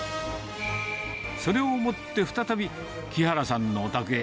それを持って再び、木原さんのお宅へ。